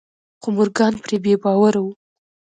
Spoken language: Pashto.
خو مورګان پرې بې باوره و.